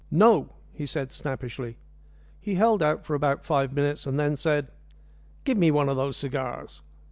"No!" he said snappishly. He held out for about five minutes, and then said, "Give me one of those cigars."